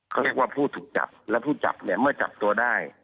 เขาเรียกว่าผู้ถูกจับและผู้จับเนี่ยเมื่อจับตัวได้